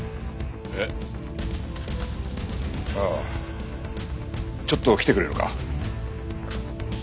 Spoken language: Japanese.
えっ？ああちょっと来てくれるか。